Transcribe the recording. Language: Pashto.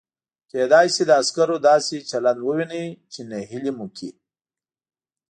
کېدای شي د عسکرو داسې چلند ووینئ چې نهیلي مو کړي.